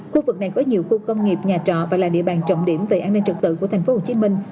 khu vực này có nhiều khu công nghiệp nhà trọ và là địa bàn trọng điểm về an ninh trực tự của thành phố hồ chí minh